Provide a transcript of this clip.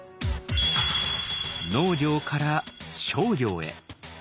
農業から商業へ。